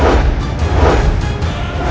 aku akan terus memburumu